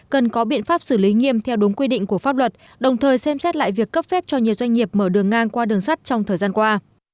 cần có biện pháp xử lý nghiêm theo đúng quy định của pháp luật đồng thời xem xét lại việc cấp phép cho nhiều doanh nghiệp mở đường ngang qua đường sắt trong thời gian qua